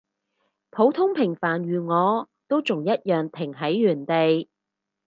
普通平凡如我，都仲一樣停喺原地